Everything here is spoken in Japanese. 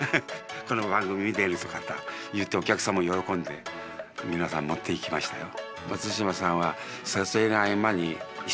この番組見てるって方お客さんも喜んで皆さん持っていきましたよ。